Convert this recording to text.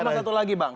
sama satu lagi bang